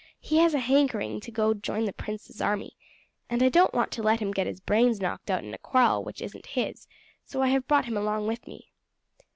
He has a hankering to join the prince's army, and I don't want to let him get his brains knocked out in a quarrel which isn't his, so I have brought him along with me."